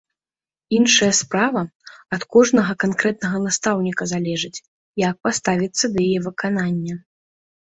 Іншая справа, ад кожнага канкрэтнага настаўніка залежыць, як паставіцца да яе выканання.